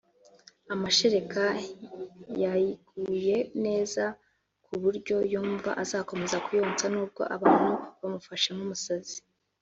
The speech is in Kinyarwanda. amashereka yayiguye neza ku buryo yumva azakomeza kuyonsa n’ubwo abantu bamufashe nk’umusazi